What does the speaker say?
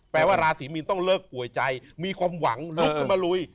แปลว่าลาศรีมีนต้องเลิกกลัวใจมีความหวังลุกกันมาลุย